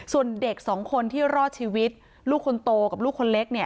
ส่วนเด็กสองคนที่รอดชีวิตลูกคนโตกับลูกคนเล็กเนี่ย